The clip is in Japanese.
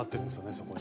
そこに。